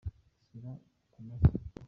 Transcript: shyira kumashyiga.